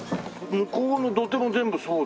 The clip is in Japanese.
向こうの土手も全部そうですか？